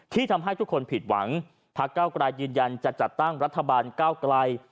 ทำให้ทุกคนผิดหวังพักเก้าไกรยืนยันจะจัดตั้งรัฐบาลก้าวไกล